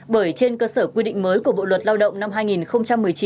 bởi trên cơ sở quy định mới của bộ luật lao động năm hai nghìn một mươi chín